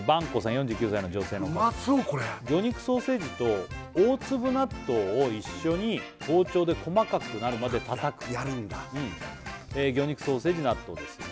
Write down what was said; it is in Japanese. ４９歳の女性の方うまそうこれ魚肉ソーセージと大粒納豆を一緒に包丁で細かくなるまでたたく魚肉ソーセージ納豆です